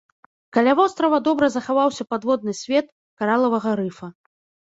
Каля вострава добра захаваўся падводны свет каралавага рыфа.